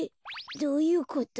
どういうこと？